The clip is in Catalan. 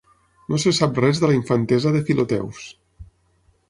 No se sap res de la infantesa de Filoteus.